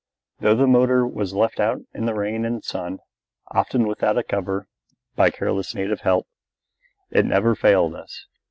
Though the motor was left out in the rain and sun, often without a cover, by careless native help, it never failed us.